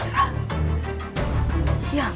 yang telah lama menghilang